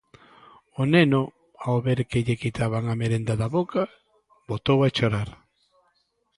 O neno, ao ver que lle quitaban a merenda da boca, botou a chorar.